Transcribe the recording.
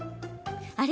あれ？